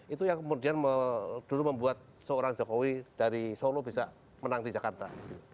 itu yang kemudian dulu membuat seorang jokowi dari solo bisa menang di jakarta